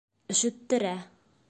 Өшөттөрә.